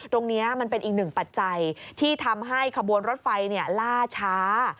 ตรงนี้มันเป็นอีกหนึ่งปัจจัยที่ทำให้ขบวนรถไฟล่าช้า